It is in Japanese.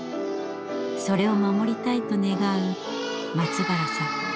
それを守りたいと願う松原さん。